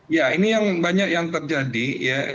ya ini yang banyak yang terjadi ya